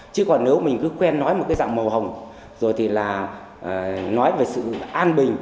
chứ còn nếu mình cứ quen nói một cái dạng màu hồng rồi thì là nói về sự an bình